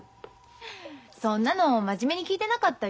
そんなの真面目に聞いてなかったよ。